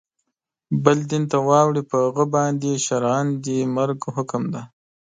بل دین ته واوړي پر هغه باندي شرعاً د مرګ حکم دی.